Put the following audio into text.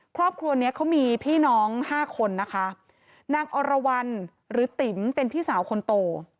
ครอบครัวเนี้ยเขามีพี่น้องห้าคนนะคะนางอรวรรณหรือติ๋มเป็นพี่สาวคนโต